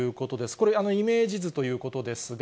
これ、イメージ図ということですが。